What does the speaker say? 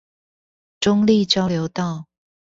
中壢交流道